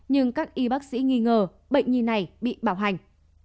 nhưng các y bác sĩ nghi ngờ bệnh nhi này bị bảo hành